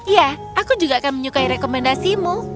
ya aku juga akan menyukai rekomendasimu